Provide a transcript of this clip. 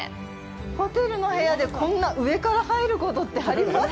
ホテルの部屋でこんな上から入ることってあります？